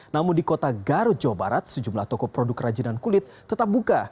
namun di kota garut jawa barat sejumlah toko produk kerajinan kulit tetap buka